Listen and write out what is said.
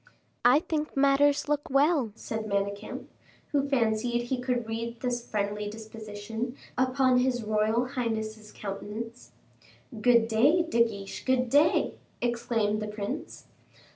"I think matters look well," said Manicamp, who fancied he could read this friendly disposition upon his royal highness's countenance. "Good day, De Guiche, good day," exclaimed the prince.